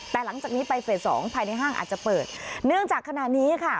แต่หลังจากนี้ไปเฟสสองภายในห้างอาจจะเปิดเนื่องจากขณะนี้ค่ะ